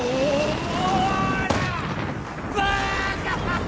バカ！